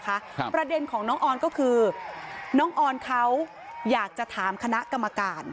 ครับประเด็นของน้องออนก็คือน้องออนเขาอยากจะถามคณะกรรมการ